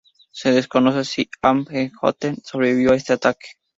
Se desconoce si Amenhotep sobrevivió a este ataque.